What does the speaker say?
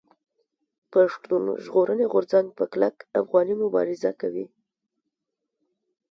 پښتون ژغورني غورځنګ په کلک افغاني مبارزه کوي.